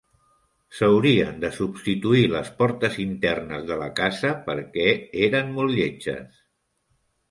S'haurien de substituir les portes internes de la casa, perquè eren molt lletges.